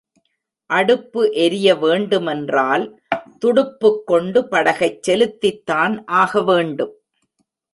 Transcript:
அடுப்பு எரிய வேண்டுமென்றால் துடுப்புக் கொண்டு படகைச் செலுத்தித்தான் ஆக வேண்டும்.